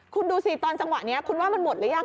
คุณดูสิตอนจังหวะนี้คุณว่ามันหมดหรือยัง